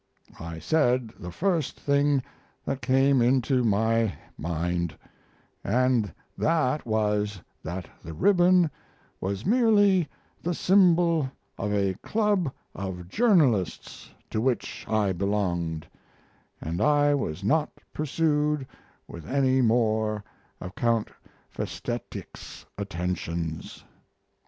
I said the first thing that came into my mind, and that was that the ribbon was merely the symbol of a club of journalists to which I belonged, and I was not pursued with any more of Count Festetic's attentions.